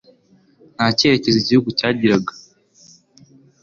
nta kerekezo igihugu cyagiraga